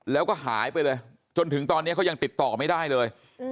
แล้วก็หายไปเลยจนถึงตอนนี้เขายังติดต่อไม่ได้เลย